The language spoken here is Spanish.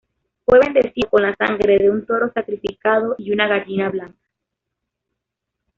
Fue bendecido con la sangre de un toro sacrificado y una gallina blanca.